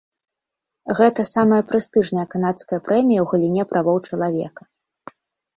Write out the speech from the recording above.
Гэта самая прэстыжная канадская прэмія ў галіне правоў чалавека.